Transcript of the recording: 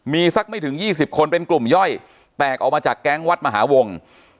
มีสักไม่ถึง๒๐คนเป็นกลุ่มย่อยแตกออกมาจากแก๊งวัดมหาวง